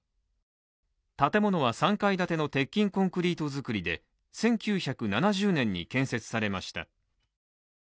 建物は３階建ての鉄筋コンクリート造りで１９７０年に建設されました。